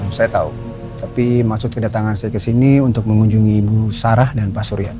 oh saya tau tapi maksud kedatangan saya kesini untuk mengunjungi ibu sarah dan pak surya